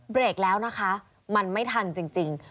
เบรกแล้วนะคะมันไม่ทันจริง